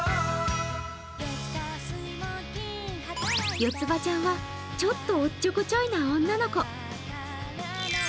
よつばちゃんはちょっとおっちょこちょいな女の子。